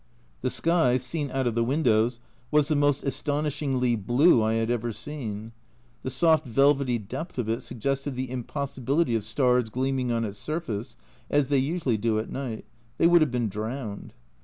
The sky, seen out of the windows, was the most astonishingly blue I have ever seen. The soft velvety depth of it suggested the impossibility of stars gleaming on its surface (as they usually do at night), they would have been drowned.